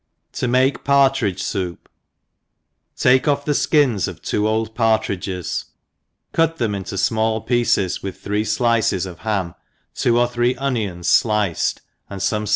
To make Partridge Soup. TAKE off the ikins of two old partridges, tut them into fmall pieces with three flices of ham, two or three onions, fliced and fome ce